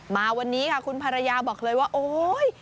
มาวันนี้ค่ะคุณภรรยาบอกเลยว่าโอ๊ย